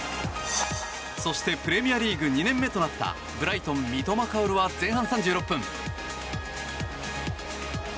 そして、プレミアリーグ２年目となったブライトン、三笘薫は前半３６分。